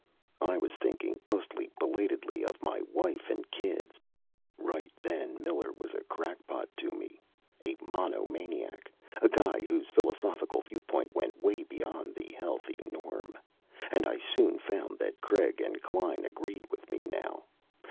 I was thinking mostly belatedly of my wife and kids. Right then, Miller was a crackpot to me, a monomaniac, a guy whose philosophical viewpoint went way beyond the healthy norm. And I soon found that Craig and Klein agreed with me now.